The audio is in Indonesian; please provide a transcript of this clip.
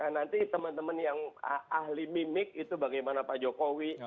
nanti teman teman yang ahli mimik itu bagaimana pak jokowi